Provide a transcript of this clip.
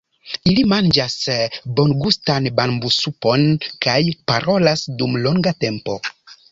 Ili manĝas bongustan bambusupon kaj parolas dum longa tempo.